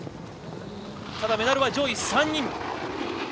ただ、メダルは上位３人。